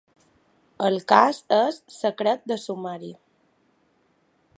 El cas és secret de sumari.